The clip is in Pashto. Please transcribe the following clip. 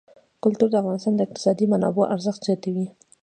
کلتور د افغانستان د اقتصادي منابعو ارزښت زیاتوي.